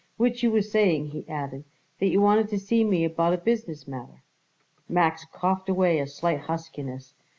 "Which you was saying," he added, "that you wanted to see me about a business matter." Max coughed away a slight huskiness.